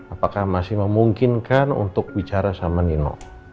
apakah masih memungkinkan untuk bicara sama nino